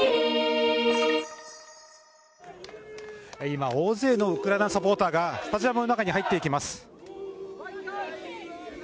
今、大勢のウクライナサポーターがスタジアムの中に入っていきます。